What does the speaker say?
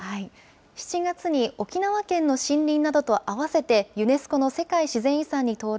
７月に沖縄県の森林などと合わせてユネスコの自然遺産に登録